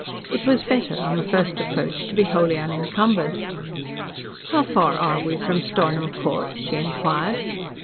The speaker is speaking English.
It was better, on the first approach, to be wholly unencumbered. "How far are we from Stornham Court?" she inquired.